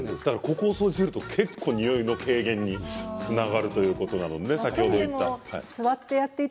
ここを掃除すると結構においの軽減につながるということです。